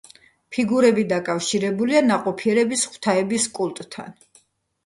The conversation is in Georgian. ფიგურები დაკავშირებულია ნაყოფიერების ღვთაების კულტთან.